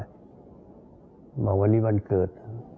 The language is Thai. บอกวันนี้วันเกิด